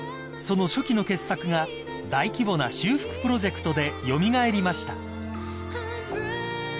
［その初期の傑作が大規模な修復プロジェクトで蘇りました］